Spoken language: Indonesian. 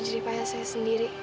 juri pahasa saya sendiri